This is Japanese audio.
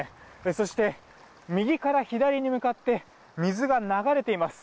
そして、右から左に向かって水が流れています。